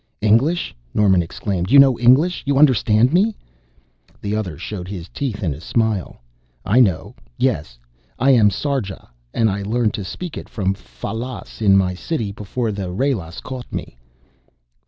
"English?" Norman exclaimed. "You know English you understand me?" The other showed his teeth in a smile. "I know, yes. I'm Sarja, and I learned to speak it from Fallas, in my city, before the Ralas caught me."